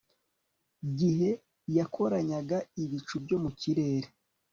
gihe yakoranyaga ibicu byo mu kirere